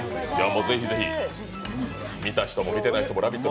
見た人も見てない人も「ラヴィット！」